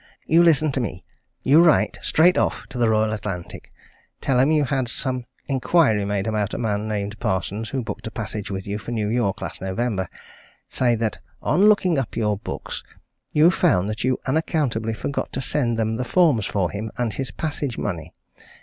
You listen to me. You write straight off to the Royal Atlantic. Tell 'em you had some inquiry made about a man named Parsons, who booked a passage with you for New York last November. Say that on looking up your books you found that you unaccountably forgot to send them the forms for him and his passage money.